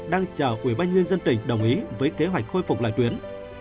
đang chờ quỹ banh nhân dân tỉnh đồng ý với kế hoạch khôi phục lại tuyến